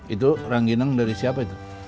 itu rangginang dari siapa itu